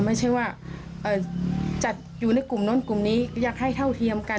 ไม่ใช่ว่าจัดอยู่ในกลุ่มโน้นกลุ่มนี้อยากให้เท่าเทียมกัน